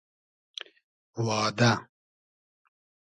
وا دۂ